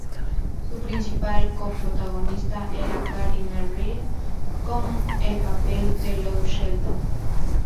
Su principal co-protagonista era Gary Merrill, con el papel de Lou Sheldon.